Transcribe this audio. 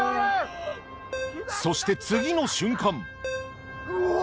そして次の瞬間うお！